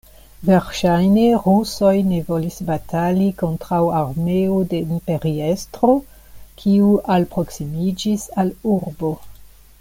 Verŝajne rusoj ne volis, batali kontraŭ armeo de imperiestro, kiu alproksimiĝis al urbo.